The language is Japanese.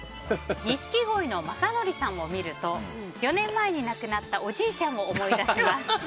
錦鯉の雅紀さんを見ると４年前に亡くなったおじいちゃんを思い出します。